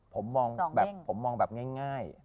ผมมองแบบง่าย